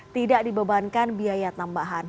tidak dibebankan biaya tambahan